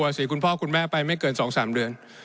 เสียคุณพ่อคุณแม่ไปไม่เกิน๒๓เดือน